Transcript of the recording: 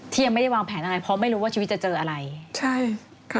ยังไม่ได้วางแผนอะไรเพราะไม่รู้ว่าชีวิตจะเจออะไรใช่ค่ะ